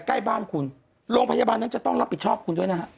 ใกล้บ้านคุณโรงพยาบาลนั้นจะต้องรับผิดชอบคุณด้วยนะฮะ